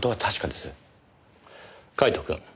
カイトくん。